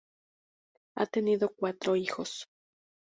Ha tenido cuatro hijos.